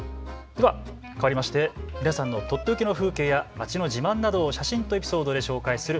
ではかわりまして皆さんのとっておきの風景や街の自慢などを写真とエピソードで紹介する＃